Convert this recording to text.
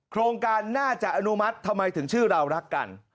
โครงการน่าจะอนุมัติทำไมถึงชื่อเรารักกัน